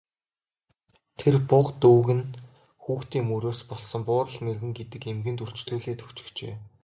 Тэр буга дүүг нь хүүхдийн мөрөөс болсон Буурал мэргэн гэдэг эмгэнд үрчлүүлээд өгчихжээ.